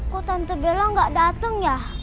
kok tante bella gak dateng ya